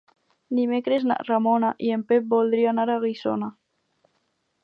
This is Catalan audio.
Dimecres na Ramona i en Pep voldria anar a Guissona.